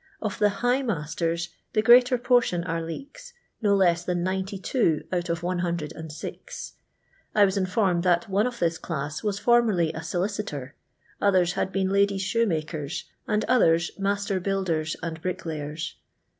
of the "high masters" tlie greater portion are lei^ks no less than i)*J out of lUO. 1 was informed that one of this chiss wns formerly a solicitor, otiiers had been ladiett' shoe makers, and others master liuilders and brick layers.